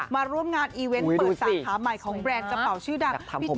มาร่วมงานอีเวนต์เปิดสาขาใหม่ของแบรนด์กระเป๋าชื่อดัง